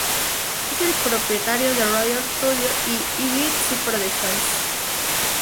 Es el propietario de Rodgers Studio y A-Beat C Productions.